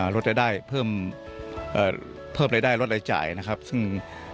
ลดละต่ายเพิ่มเพิ่มเลยได้ลดละจ่ายนะครับซึ่ง